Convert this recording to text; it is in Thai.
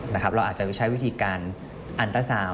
เราอาจจะใช้วิธีการอันตราซาวน์